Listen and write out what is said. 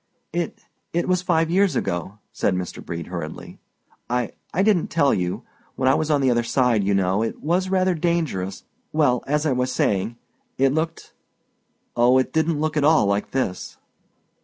"It—it was five years ago," said Mr. Brede, hurriedly. "I—I didn't tell you—when I was on the other side, you know—it was rather dangerous—well, as I was saying—it looked—oh, it didn't look at all like this."